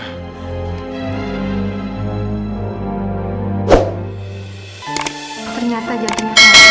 ternyata jangan terlalu banyak yang ada dokter